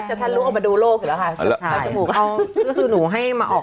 จะทันลุงออกมาดูโลกอยู่แล้วค่ะเอาจมูกเอาคือคือหนูให้มาออก